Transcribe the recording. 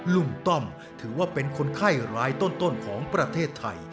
ลุงต้อมถือว่าเป็นคนไข้ร้ายต้นของประเทศไทย